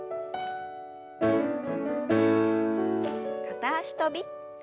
片脚跳び。